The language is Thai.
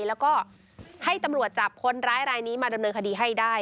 แล้วก็ให้ตำรวจจับคนร้ายรายนี้มาดำเนินคดีให้ได้